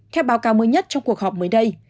theo báo cáo mới nhất trong cuộc họp mới đây